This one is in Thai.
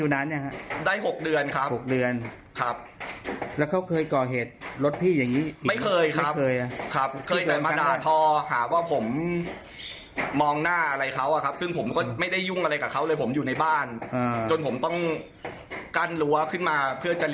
ถ้าเขาเห็นใครเขาจะอารวาส